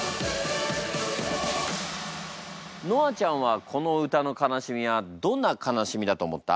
ノアちゃんはこの歌の悲しみはどんな悲しみだと思った？